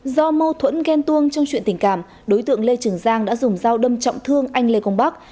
do mâu thuẫn ghen tuông trong chuyện tình cảm đối tượng lê trường giang đã dùng dao đâm trọng thương anh lê công bắc